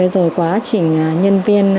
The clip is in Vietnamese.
rồi quá trình nhân viên